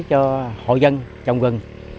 cho hộ dân trồng rừng